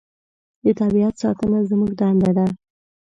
د طبیعت ساتنه زموږ دنده ده.